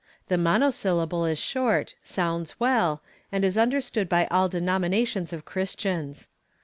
The monosyllable is short, sounds well, and is understood by all denominations of Christians.